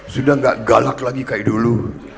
sudah gak galak lagi kayak dulu